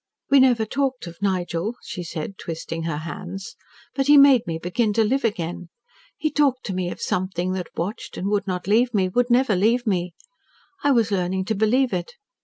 "We never talked of Nigel," she said, twisting her hands. "But he made me begin to live again. He talked to me of Something that watched and would not leave me would never leave me. I was learning to believe it.